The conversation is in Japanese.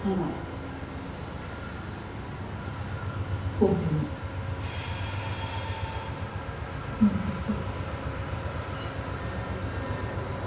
ホントにすまなかった。